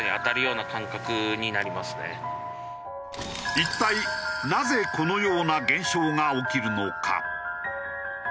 一体なぜこのような現象が起きるのか？